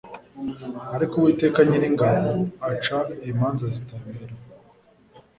Ariko Uwiteka Nyiringabo aca imanza zitabera